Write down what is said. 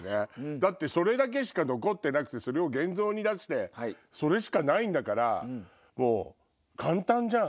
だってそれだけしか残ってなくてそれを現像に出してそれしかないんだから簡単じゃん。